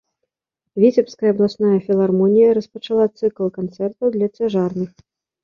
Віцебская абласная філармонія распачала цыкл канцэртаў для цяжарных.